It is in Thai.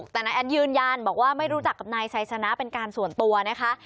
แต่นายแอนยืนยันบอกว่าไม่รู้จักกับนายไซสนะเป็นการส่วนตัวนะคะ